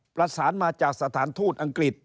ประสานมาจากสถานทูตอังกฤษ